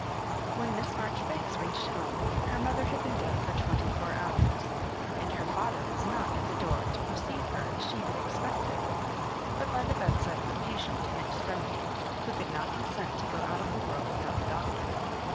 When Miss Marjoribanks reached home her mother had been dead for twenty four hours; and her father was not at the door to receive her as she had expected, but by the bedside of a patient in extremity, who could not consent to go out of the world without the Doctor.